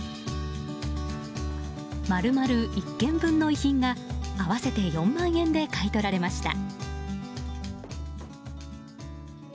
丸々一軒分の遺品が合わせて４万円で買い取られました。